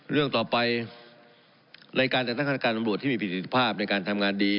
เรื่องต่อไปรายการจากทางขนาดการฐมลวชที่มีผิดจิตภาพในการทำงานดี